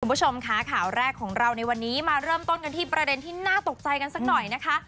คุณผู้ชมค่ะข่าวแรกของเราในวันนี้มาเริ่มต้นกันที่ประเด็นที่น่าตกใจกันสักหน่อยนะคะ